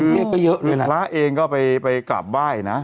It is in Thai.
แล้วก็ทิวช์เองก็ไปกราบว่ายนะ